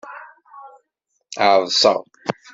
Ɛeḍseɣ.